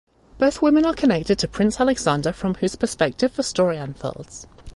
Both women are connected to Prince Alexander from whose perspective the story unfolds.